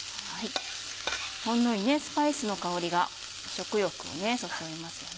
ほんのりスパイスの香りが食欲をそそりますよね。